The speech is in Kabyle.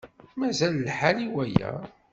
Mazal lḥal i waya.